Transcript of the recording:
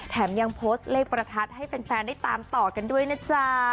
ยังโพสต์เลขประทัดให้แฟนได้ตามต่อกันด้วยนะจ๊ะ